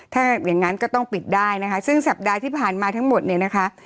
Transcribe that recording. ถ้าอย่างนั้นก็ต้องปิดได้นะคะซึ่งสัปดาห์ที่ผ่านมาทั้งหมดเนี่ยนะคะ